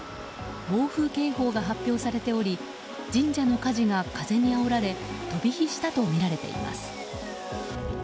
暴風警報が発表されており神社の火事が風にあおられ飛び火したとみられています。